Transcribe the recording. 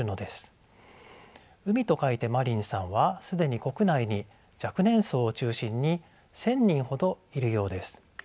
「海」と書いて「マリン」さんは既に国内に若年層を中心に１，０００人ほどいるようです。